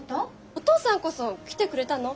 お父さんこそ来てくれたの？